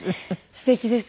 すてきです。